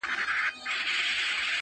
پر سر وا مي ړوه یو مي سه تر سونډو